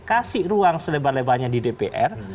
kasih ruang selebar lebarnya di dpr